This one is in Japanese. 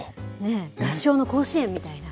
合唱の甲子園みたいな。